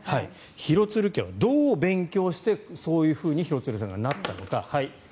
廣津留家はどう勉強してそういうふうに廣津留さんがなったのか。